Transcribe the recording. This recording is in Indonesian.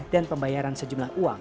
dan pembayaran sejumlah uang